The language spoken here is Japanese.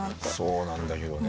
そうなんだけどね。